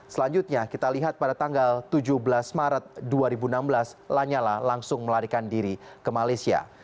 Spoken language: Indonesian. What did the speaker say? selanjutnya kita lihat pada tanggal tujuh belas maret dua ribu enam belas lanyala langsung melarikan diri ke malaysia